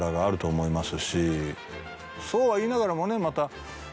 そうは言いながらもねまた。